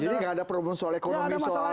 jadi gak ada problem soal ekonomi soal kesiateran